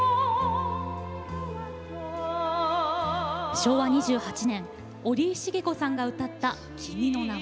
昭和２８年織井茂子さんが歌った「君の名は」。